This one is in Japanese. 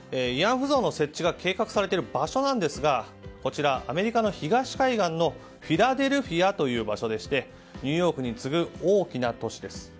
慰安婦像の設置が計画されている場所なんですがアメリカの東海岸のフィラデルフィアという場所でニューヨークに次ぐ大きな都市です。